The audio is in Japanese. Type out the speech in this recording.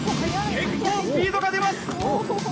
結構スピードが出ます。